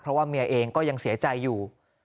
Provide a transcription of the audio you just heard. เพราะว่าเมียเองก็ยังเสียใจอยู่